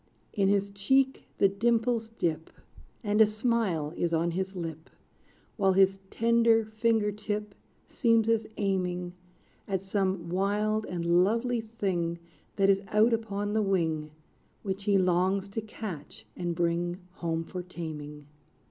In his cheek the dimples dip, And a smile is on his lip, While his tender finger tip Seems as aiming At some wild and lovely thing That is out upon the wing, Which he longs to catch and bring Home for taming.